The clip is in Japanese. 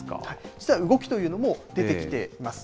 実は動きというのも出てきています。